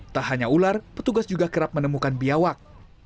tak hanya ular petugas juga kerap menemukan biawak